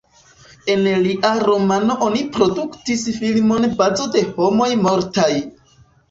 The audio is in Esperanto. El lia romano oni produktis filmon Bazo de homoj mortaj.